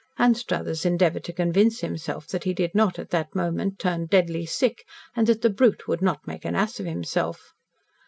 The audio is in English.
Anstruthers endeavoured to convince himself that he did not at that moment turn deadly sick and that the brute would not make an ass of himself.